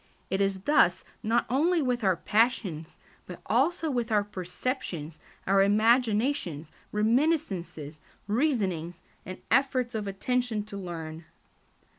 It is thus not only with our passions, but also with our perceptions, our imaginations, reminiscences, reasonings, and efforts of attention to learn.